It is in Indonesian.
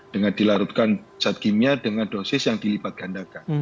dengan dilarutkan zat kimia dengan dosis yang dilipat gandakan